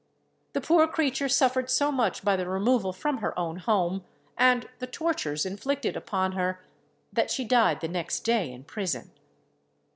The poor creature suffered so much by the removal from her own home, and the tortures inflicted upon her, that she died the next day in prison.